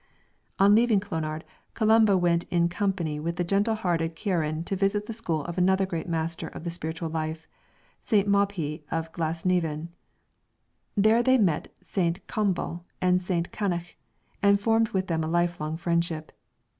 On leaving Clonard, Columba went in company with the gentle hearted Ciaran to visit the school of another great master of the spiritual life, St. Mobhi of Glasnevin. There they met St. Comgall and St. Cannich, and formed with them a lifelong friendship.